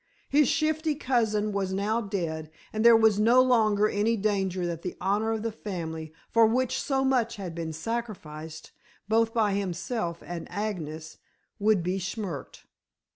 His shifty cousin was now dead and there was no longer any danger that the honor of the family, for which so much had been sacrificed, both by himself and Agnes, would be smirched.